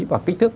và kích thích